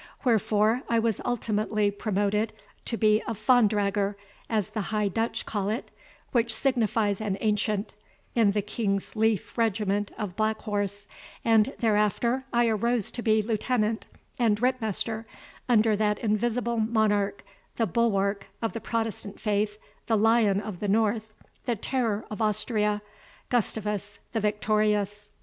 Wherefore I was ultimately promoted to be a fahndragger, as the High Dutch call it (which signifies an ancient), in the King's Leif Regiment of Black Horse, and thereafter I arose to be lieutenant and ritt master, under that invincible monarch, the bulwark of the Protestant faith, the Lion of the North, the terror of Austria, Gustavus the Victorious."